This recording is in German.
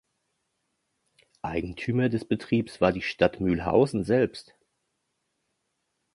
Eigentümer des Betriebs war die Stadt Mülhausen selbst.